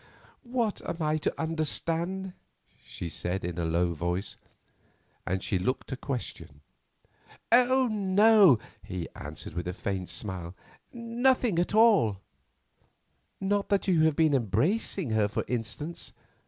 "What am I to understand?" she said in a low voice—and she looked a question. "Oh, no!" he answered with a faint smile; "nothing at all——" "Not that you have been embracing her, for instance?